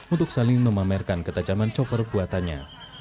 untuk saling memamerkan ketajaman chopper buatannya